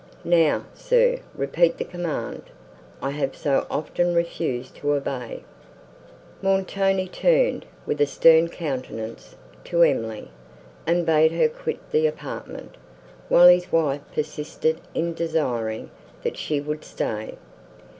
Now, sir, repeat the command, I have so often refused to obey." Montoni turned, with a stern countenance, to Emily, and bade her quit the apartment, while his wife persisted in desiring, that she would stay.